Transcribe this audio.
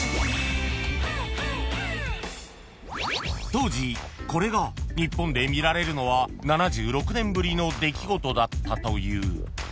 ［当時これが日本で見られるのは７６年ぶりの出来事だったという］